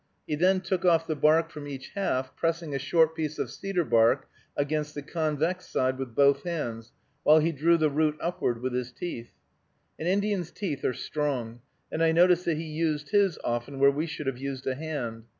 He then took off the bark from each half, pressing a short piece of cedar bark against the convex side with both hands, while he drew the root upward with his teeth. An Indian's teeth are strong, and I noticed that he used his often where we should have used a hand.